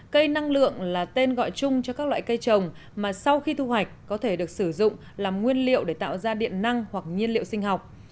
cây năng lượng là tên gọi chung cho các loại cây trồng mà sau khi thu hoạch có thể được sử dụng làm nguyên liệu để tạo ra điện năng hoặc nhiên liệu sinh học